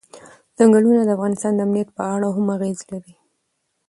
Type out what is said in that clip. ځنګلونه د افغانستان د امنیت په اړه هم اغېز لري.